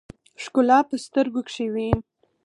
ښکلا په سترګو کښې وي